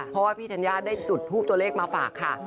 เพราะว่าพี่ธัญญาได้จุดทูปตัวเลขมาฝากค่ะ